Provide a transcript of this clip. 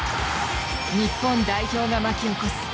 日本代表が巻き起こす